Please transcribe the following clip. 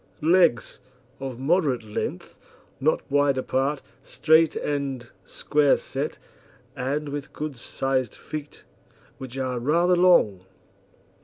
LEGS Of moderate length, not wide apart, straight and square set, and with good sized feet, which are rather long.